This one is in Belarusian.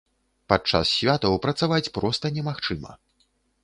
Падчас святаў працаваць проста немагчыма.